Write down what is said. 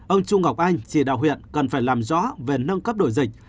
ông chu ngọc anh chỉ đạo huyện cần phải làm rõ về nâng cấp độ dịch